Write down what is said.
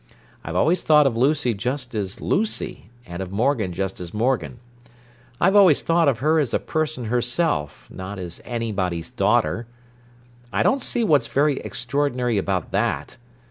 I've always thought of Lucy just as Lucy, and of Morgan just as Morgan. I've always thought of her as a person herself, not as anybody's daughter. I don't see what's very extraordinary about that.